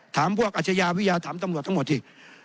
ถามพวกอาชญาวิทยาถามตำรวจทั้งหมดสิ